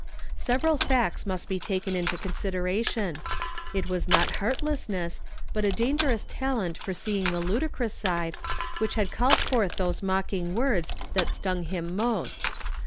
Several facts inust be taken into consideration. It was not heartlessness, but a dangerous talent for seeing the ludicrous side, which had called forth those mocking words that stung him most.